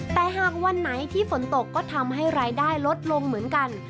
แต่หากวันไหนที่ฝนตกก็ทำให้รายได้ลดลงเหมือนกัน